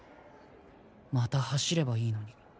また走ればいいのに。